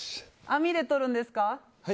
網でとるんですか？